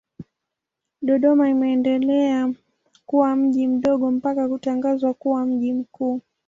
Dodoma imeendelea kuwa mji mdogo mpaka kutangazwa kuwa mji mkuu.